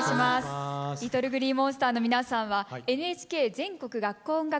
ＬｉｔｔｌｅＧｌｅｅＭｏｎｓｔｅｒの皆さんは「ＮＨＫ全国学校音楽